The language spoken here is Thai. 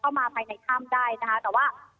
เข้ามาภายในถ้ำได้นะคะแต่ว่า